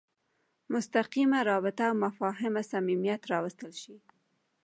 مستقیمه رابطه او مفاهمه صمیمیت راوستلی شي.